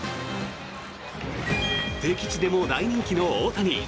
敵地でも大人気の大谷。